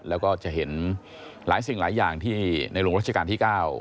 แล้วก็จะเห็นหลายสิ่งหลายอย่างที่ในหลวงรัชกาลที่๙